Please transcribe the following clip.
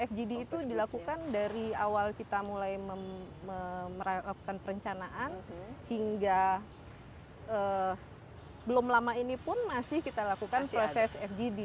fgd itu dilakukan dari awal kita mulai melakukan perencanaan hingga belum lama ini pun masih kita lakukan proses fgd